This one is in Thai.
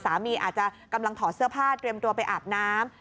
อาจจะกำลังถอดเสื้อผ้าเตรียมตัวไปอาบน้ำ